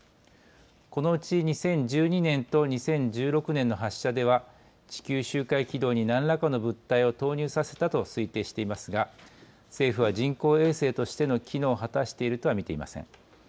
このうち２０１２年と２０１６年の発射では地球周回軌道に何らかの物体を投入させたと推定していますが政府は人工衛星としての機能を果たしているとは見ていません。